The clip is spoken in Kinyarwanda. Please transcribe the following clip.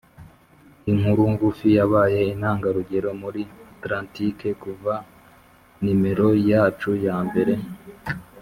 inkuru ngufi yabaye intangarugero muri atlantike kuva nimero yacu ya mbere